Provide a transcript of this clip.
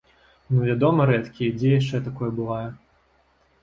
Ну вядома рэдкі, дзе яшчэ такое бывае.